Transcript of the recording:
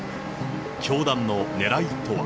教団の狙いとは。